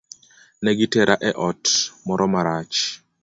Negi tera e ot moro marach.